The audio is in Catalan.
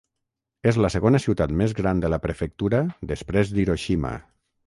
És la segona ciutat més gran de la prefectura després d'Hiroshima.